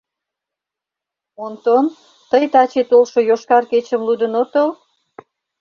Онтон, тый таче толшо «Йошкар кечым» лудын отыл?